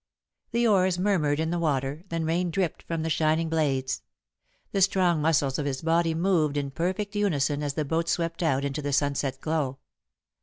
The oars murmured in the water, then rain dripped from the shining blades. The strong muscles of his body moved in perfect unison as the boat swept out into the sunset glow.